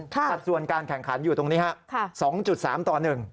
สัดส่วนการแข่งขันอยู่ตรงนี้ฮะ๒๓ต่อ๑